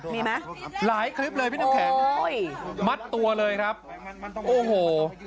มีไหมหลายคลิปเลยพี่น้ำแข็งมัดตัวเลยครับโอ้โห